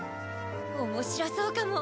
面白そうかも。